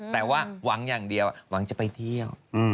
แต่ว่าหวังอย่างเดียวหวังจะไปเที่ยว